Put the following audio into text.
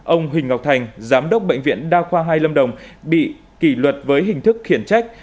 ông huỳnh ngọc thành giám đốc bệnh viện đa khoa hai lâm đồng bị kỷ luật với hình thức khiển trách